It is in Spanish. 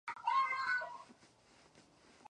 Es almeriense y posee la Medalla de Andalucía.